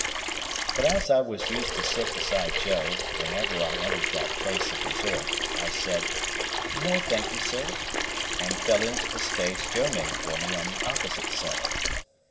But as I was used to sit beside Joe whenever I entered that place of resort, I said "No, thank you, sir," and fell into the space Joe made for me on the opposite settle.